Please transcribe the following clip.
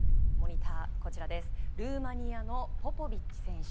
ルーマニアのポポビッチ選手